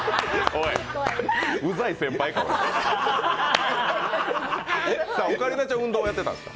うざい先輩か！